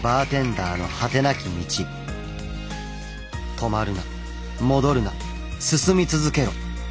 止まるな戻るな進み続けろ。